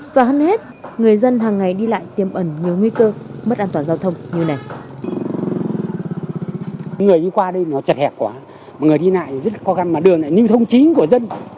và hơn hết người dân hàng ngày đi lại tiêm ẩn nhiều nguy cơ mất an toàn giao thông như này